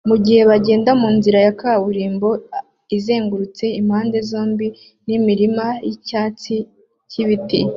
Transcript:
mugihe bagenda munzira ya kaburimbo izengurutse impande zombi nimirima yicyatsi nibiti